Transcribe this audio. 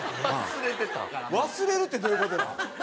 忘れるってどういう事なん？